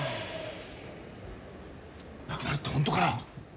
なくなるって本当かな？